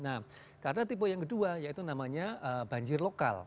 nah karena tipe yang kedua yaitu namanya banjir lokal